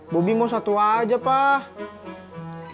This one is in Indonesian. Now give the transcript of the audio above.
bobi mau satu aja pak